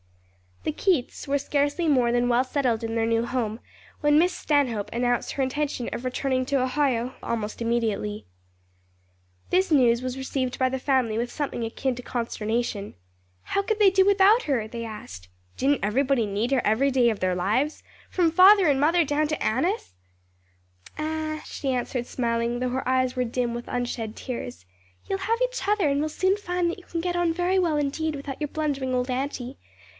THE Keiths were scarcely more than well settled in their new home when Miss Stanhope announced her intention of returning to Ohio almost immediately. This news was received by the family with something akin to consternation. "How could they do without her?" they asked; "didn't everybody need her every day of their lives, from father and mother down to Annis?" "Ah," she answered smiling, though her eyes were dim with unshed tears, "you'll have each other and will soon find that you can get on very well indeed without your blundering old auntie.